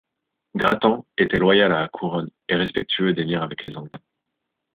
Grattan était loyal à la Couronne et respectueux des liens avec les Anglais.